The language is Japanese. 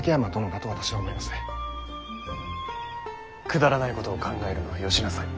くだらないことを考えるのはよしなさい。